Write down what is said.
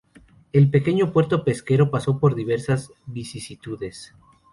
El pequeño puerto pesquero pasó por diversas vicisitudes.